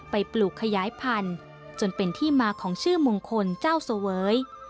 ปลูกขยายพันธุ์จนเป็นที่มาของชื่อมงคลเจ้าเสวย